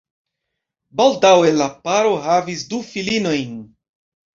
Baldaŭe la paro havis du filinojn.